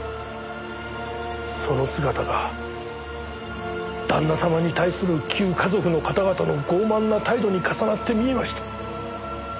その姿が旦那様に対する旧華族の方々の傲慢な態度に重なって見えました。